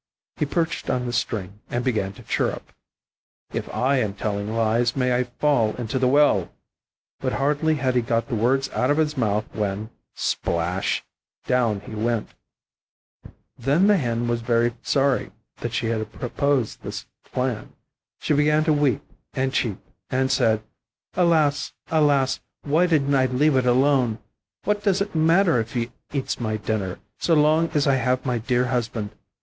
He perched on the string and began to chirrup, "If I am telling lies, may I fall into the well;" but hardly had he got the words out of his mouth, when splash! down he went. Then the Hen was very sorry that she had proposed this plan; she began to weep and cheep, and said "Alas, alas, why didn't I leave it alone? What does it matter if he eats my dinner, so long as I have my dear husband?